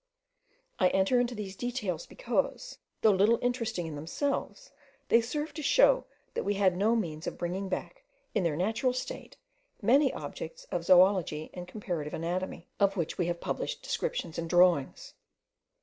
I enter into these details, because, though little interesting in themselves, they serve to show that we had no means of bringing back, in their natural state, many objects of zoology and comparative anatomy, of which we have published descriptions and drawings.